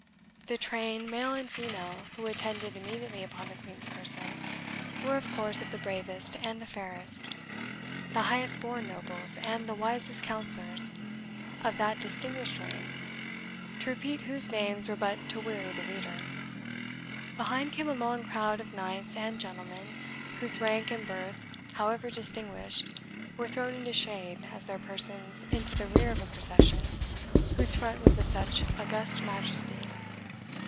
The train, male and female, who attended immediately upon the Queen's person, were, of course, of the bravest and the fairest the highest born nobles, and the wisest counsellors, of that distinguished reign, to repeat whose names were but to weary the reader. Behind came a long crowd of knights and gentlemen, whose rank and birth, however distinguished, were thrown into shade, as their persons into the rear of a procession whose front was of such august majesty.